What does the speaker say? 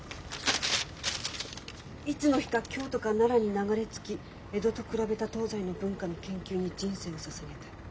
「いつの日か京都か奈良に流れ着き江戸と比べた東西の文化の研究に人生をささげたい。